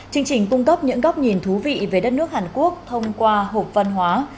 chương trình cung cấp những góc nhìn thú vị về đất nước hàn quốc thông qua hộp văn hóa